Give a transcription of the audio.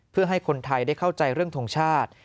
เพื่อให้คนไทยได้เข้าใจเรื่องทรงชาติ